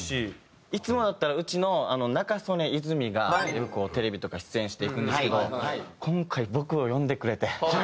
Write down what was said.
いつもだったらうちの仲宗根泉がよくテレビとか出演していくんですけど今回僕を呼んでくれて。